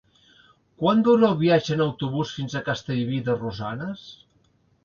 Quant dura el viatge en autobús fins a Castellví de Rosanes?